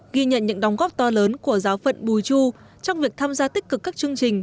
ghi nhận những đóng góp to lớn của giáo phận bùi chu trong việc tham gia tích cực các chương trình